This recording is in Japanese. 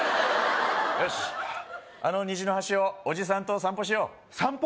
よしあの虹の橋をおじさんと散歩しよう散歩？